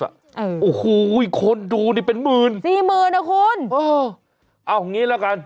โอ้โหคนดูนี่เป็นหมื่นสี่หมื่นอ่ะคุณโอ้เอาอย่างงี้ละกัน